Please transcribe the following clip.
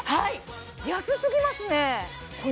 安すぎますねはい！